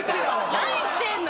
何してんの？